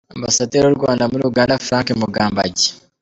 Ambasaderi w’u Rwanda muri Uganda, Frank Mugambage